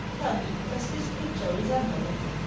Tell me, does this picture resemble him?'